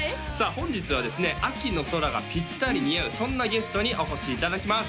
本日はですね秋の空がピッタリ似合うそんなゲストにお越しいただきます